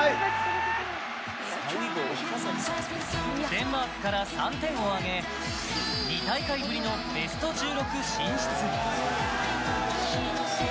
デンマークから３点を挙げ２大会ぶりのベスト１６進出。